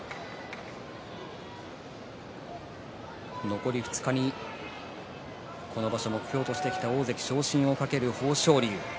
残り２日にこの場所目標としてきた大関昇進を懸ける豊昇龍。